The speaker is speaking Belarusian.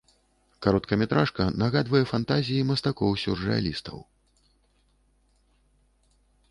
Кароткаметражка нагадвае фантазіі мастакоў-сюррэалістаў.